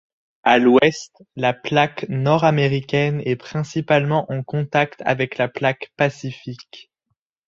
À l'ouest, la plaque nord-américaine est principalement en contact avec la plaque pacifique.